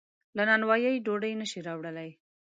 له نانوایۍ ډوډۍ نشي راوړلی.